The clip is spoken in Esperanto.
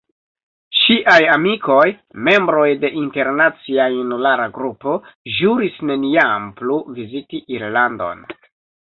Ŝiaj amikoj – membroj de internacia junulara grupo – ĵuris neniam plu viziti Irlandon.